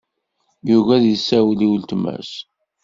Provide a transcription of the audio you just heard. Yugi ad isiwel i weltma-s.